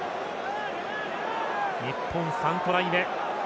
日本、３トライ目。